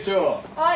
はい。